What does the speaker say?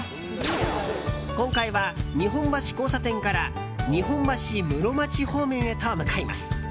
今回は、日本橋交差点から日本橋室町方面へと向かいます。